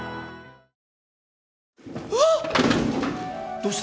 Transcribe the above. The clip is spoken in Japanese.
どうした？